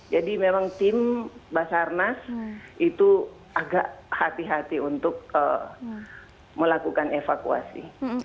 jadi memang tim basarnas itu agak hati hati untuk melakukan evakuasi